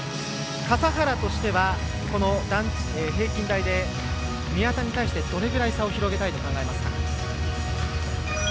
笠原としては平均台で宮田に対してどれぐらい差を広げたいと考えますか？